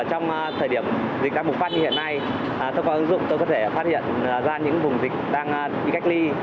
trong thời điểm dịch đang bùng phát như hiện nay theo các ứng dụng tôi có thể phát hiện ra những vùng dịch đang bị cách ly